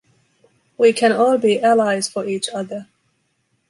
We can all be allies for each other